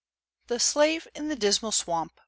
THE SLAVE IN THE DISMAL SWAMP.